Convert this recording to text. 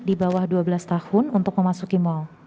di bawah dua belas tahun untuk memasuki mal